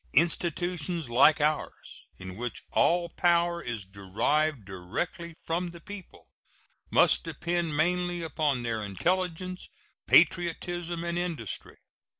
Institutions like ours, in which all power is derived directly from the people, must depend mainly upon their intelligence, patriotism, and industry.